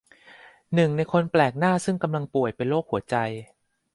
หนึ่งในคนแปลกหน้าซึ่งกำลังป่วยเป็นโรคหัวใจ